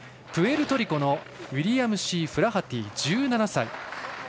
プエルトリコのウィリアムシー・フラハティ１７歳。